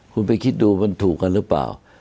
คุณไปคิดดูมันถูกกันหรือเปล่า